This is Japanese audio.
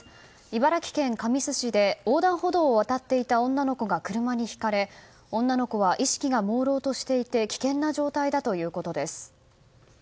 茨城県神栖市で横断歩道を渡っていた女の子が車にひかれ、女の子は意識がもうろうとしていて危険な状態だということです。